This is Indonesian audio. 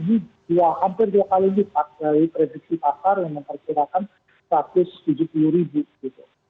ini hampir dua kali lipat dari prediksi pasar yang memperkirakan satu ratus tujuh puluh ribu gitu